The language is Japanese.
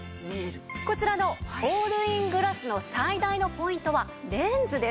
こちらのオールイングラスの最大のポイントはレンズです。